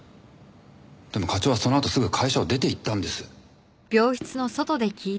でも課長はそのあとすぐ会社を出ていったんです。